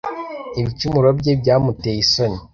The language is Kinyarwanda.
ibicumuro bye byamuteye isoni